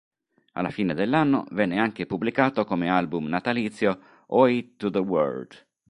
Alla fine dell'anno venne anche pubblicato come album natalizio "Oi to the World!